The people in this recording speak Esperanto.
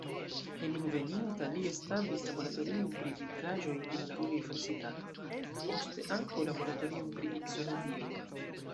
Hejmenveninta li establis laboratorion pri vitraĵoj en la universitato, poste ankaŭ laboratorion pri Ikso-radioj.